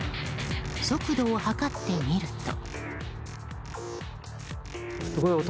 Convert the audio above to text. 速度を測ってみると。